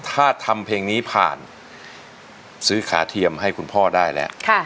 ถ้าทำเพลงนี้ผ่านซื้อขาเทียมให้คุณพ่อได้แล้ว